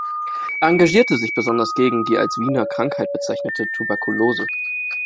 Er engagierte sich besonders gegen die als „Wiener Krankheit“ bezeichnete Tuberkulose.